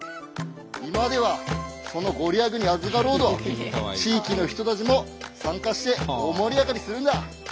今ではその御利益にあずかろうと地域の人たちも参加して大盛り上がりするんだ。